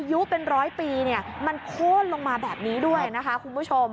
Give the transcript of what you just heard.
อายุเป็นร้อยปีเนี่ยมันโค้นลงมาแบบนี้ด้วยนะคะคุณผู้ชม